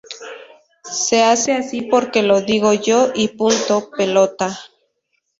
Se hace así porque lo digo yo y punto pelota